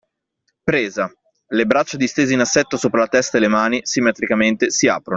Presa: le braccia distese in assetto sopra la testa e le mani, simmetricamente, si aprono